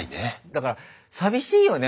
だから寂しいよね